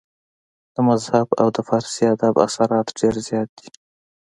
د مذهب او د فارسي ادب اثرات ډېر زيات دي